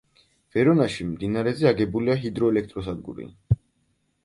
ვერონაში მდინარეზე აგებულია ჰიდროელექტროსადგური.